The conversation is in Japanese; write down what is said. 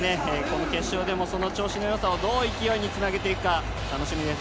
決勝でもその調子のよさを勢いにつなげていくか楽しみです。